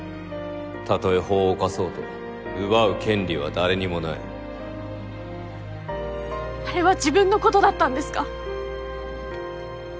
たとえ法を犯そうと奪う権利は誰にもないあれは自分のことだったんですか？